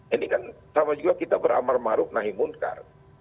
ini kan sama juga kita beramar maruf nahi munkar